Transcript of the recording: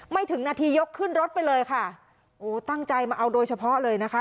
ถึงนาทียกขึ้นรถไปเลยค่ะโอ้ตั้งใจมาเอาโดยเฉพาะเลยนะคะ